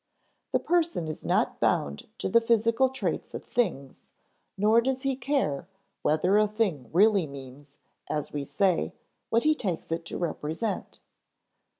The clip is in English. The person is not bound to the physical traits of things, nor does he care whether a thing really means (as we say) what he takes it to represent.